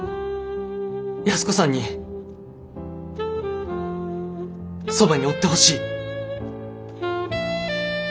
安子さんにそばにおってほしい。